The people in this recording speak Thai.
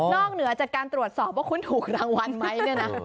เหนือจากการตรวจสอบว่าคุณถูกรางวัลไหมเนี่ยนะ